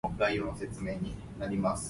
好來好去